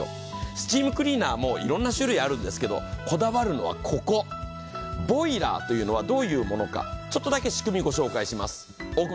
スチームクリーナー、いろんな種類あるんですけどこだわるのはここ、ボイラーというのはどういうものかちょっとだけ仕組みご紹介します。